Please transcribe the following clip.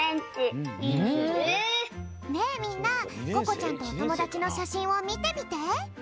ねえみんなここちゃんとおともだちのしゃしんをみてみて。